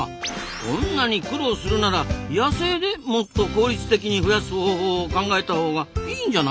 こんなに苦労するなら野生でもっと効率的に増やす方法を考えたほうがいいんじゃないですか？